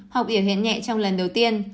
hoặc yếu hiến nhẹ trong lần đầu tiên